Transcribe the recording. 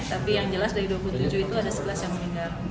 tapi yang jelas dari dua puluh tujuh itu ada sebelas yang meninggal